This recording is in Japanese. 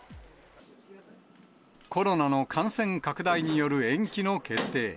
コロナの感染拡大による延期の決定。